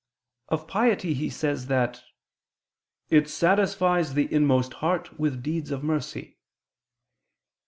Of piety he says that "it satisfies the inmost heart with deeds of mercy."